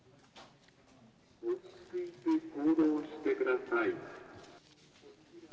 落ち着いて行動してください。